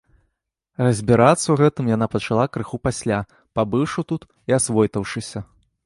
Разбірацца ў гэтым яна пачала крыху пасля, пабыўшы тут і асвойтаўшыся.